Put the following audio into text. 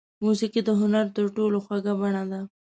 موسیقي د هنر تر ټولو خوږه بڼه ده.